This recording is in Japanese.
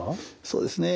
そうですね。